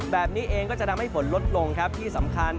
แบบนี้เองก็จะทำให้ฝนลดลงครับที่สำคัญ